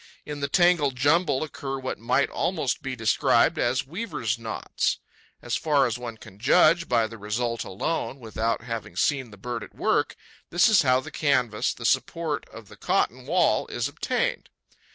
In the tangled jumble occur what might almost be described as weaver's knots. As far as one can judge by the result alone, without having seen the bird at work, this is how the canvas, the support of the cotton wall, is obtained.